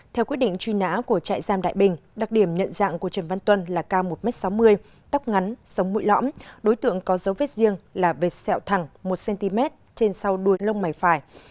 theo quyết định truy nã của trại giam đại bình đặc điểm nhận dạng của trần văn tuân là cao một m sáu mươi tóc ngắn sống mũi lõm đối tượng có dấu vết riêng là vệt sẹo thẳng một cm trên sau đuôi lông mày phải